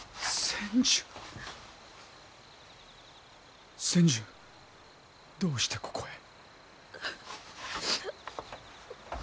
千手どうしてここへ？